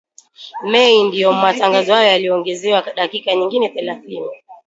Mei ndipo matangazo hayo yaliongezewa dakika nyingine thelathini